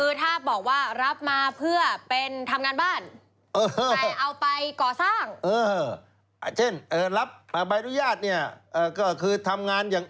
คือถ้าบอกว่ารับมาเพื่อเป็นทำงานบ้าน